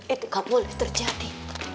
itu gak boleh terjadi